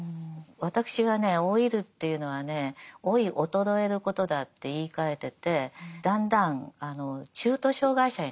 私はね老いるっていうのはね老い衰えることだって言いかえててだんだん中途障がい者になっていく。